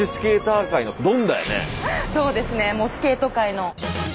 そうですねもうスケート界の。